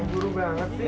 buru buru banget sih